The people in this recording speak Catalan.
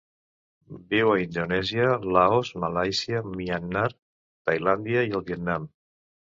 Viu a Indonèsia, Laos, Malàisia, Myanmar, Tailàndia i el Vietnam.